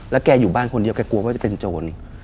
แกอยู่บ้านคนเดียวแกกลัวว่าจะเป็นโจร